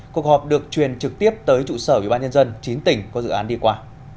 cuộc họp được truyền trực tiếp tới trụ sở ủy ban nhân dân chín tỉnh có dự án đi qua